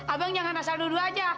abang jangan asal nudu saja